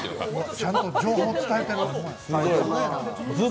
ちゃんと情報伝えてる。